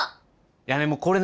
いやでもこれね